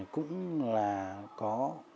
cũng là có